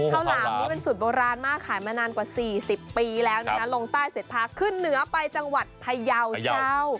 หลามนี้เป็นสูตรโบราณมากขายมานานกว่า๔๐ปีแล้วนะคะลงใต้เสร็จพาขึ้นเหนือไปจังหวัดพยาวเจ้า